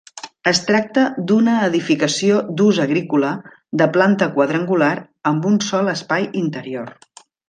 Es tracta d'una edificació d'ús agrícola de planta quadrangular amb un sol espai interior.